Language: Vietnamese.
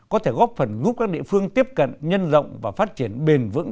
có thể góp phần giúp các địa phương tiếp cận nhân rộng và phát triển bền vững